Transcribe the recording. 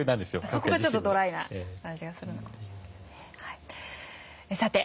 そこがちょっとドライな感じがするのかもしれませんね。